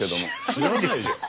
知らないですよ。